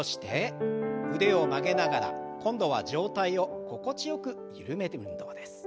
腕を曲げながら今度は上体を心地よく緩める運動です。